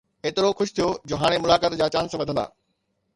ايترو خوش ٿيو جو هاڻي ملاقات جا چانس وڌندا.